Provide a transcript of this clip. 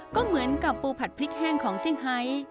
ก็เหมือนกับปูผัดพริกแห้งของซิ่งไฮ